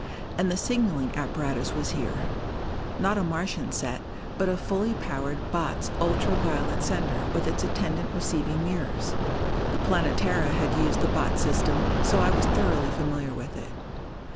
And the signaling apparatus was here! Not a Martian set, but a fully powerful Botz ultra violet sender with its attendant receiving mirrors. The Planetara had used the Botz system, so I was thoroughly familiar with it.